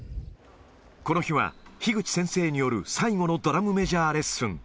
この日は樋口先生による最後のドラムメジャーレッスン。